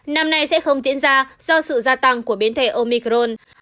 năm nay sẽ không diễn ra do sự gia tăng của biến thể omicron